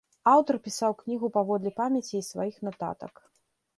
Аўтар пісаў кнігу паводле памяці і сваіх нататак.